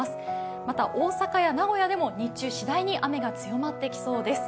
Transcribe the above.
また大阪や名古屋でも日中、しだいに雨が強まってきそうです。